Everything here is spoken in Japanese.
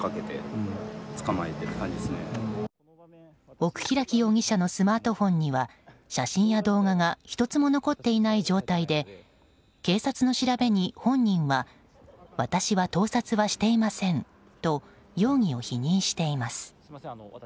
奥開容疑者のスマートフォンには写真や動画が１つも残っていない状態で警察の調べに、本人は私は盗撮はしていませんと容疑を否認しています。